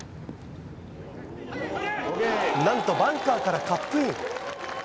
なんとバンカーからカップイン。